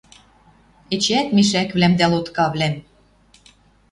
Эчеӓт мешӓквлӓм дӓ лоткавлӓм